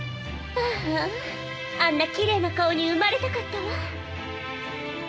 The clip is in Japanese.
あああんなきれいな顔に生まれたかったわ。